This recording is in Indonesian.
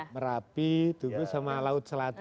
merapi tugu sama laut selatan